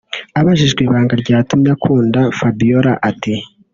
Abajijwe ibanga ryatumye akunda Fabiola ati